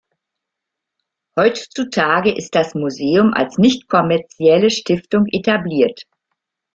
Heutzutage ist das Museum als nichtkommerzielle Stiftung etabliert.